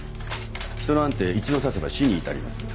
人なんて一度刺せば死に至ります。